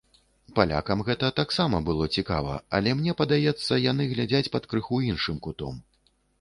Палякам гэта таксама было цікава, але мне падаецца, яны глядзяць пад крыху іншым кутом.